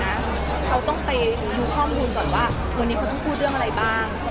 เขาต้องไปดูข้อมูลก่อนว่าวันนี้เขาต้องพูดเรื่องอะไรบ้าง